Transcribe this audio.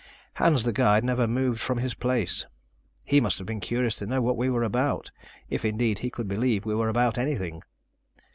Hans the guide never moved from his place. He must have been curious to know what we were about, if indeed he could believe we were about anything.